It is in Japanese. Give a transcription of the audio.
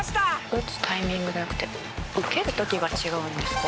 「打つタイミングじゃなくて受ける時が違うんですか？」